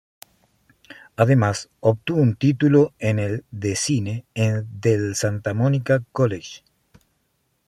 Además, obtuvo un título en Cine del Santa Monica College.